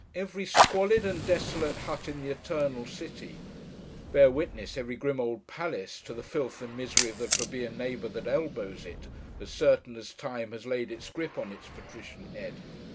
Every squalid and desolate hut in the Eternal City (bear witness every grim old palace, to the filth and misery of the plebeian neighbour that elbows it, as certain as Time has laid its grip on its patrician head!)